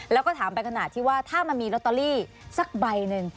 แล้วก็ถามไปขนาดที่ว่าถ้ามันมีลอตเตอรี่สักใบหนึ่ง